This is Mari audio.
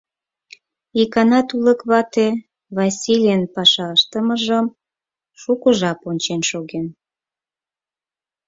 Икана тулык вате Васлийын паша ыштымыжым шуко жап ончен шоген.